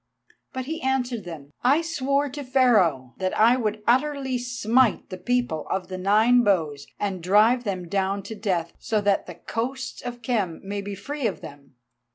But he answered them: "I swore to Pharaoh that I would utterly smite the people of the Nine bows and drive them down to death, so that the coasts of Khem may be free of them.